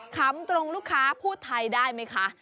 คำตรงลูกค้าพูดไทยได้ไหมคะ